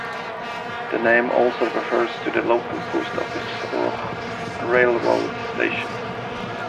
The name also refers to the local post office or railroad station.